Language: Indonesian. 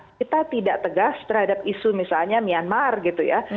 kita tidak tegas terhadap isu misalnya myanmar gitu ya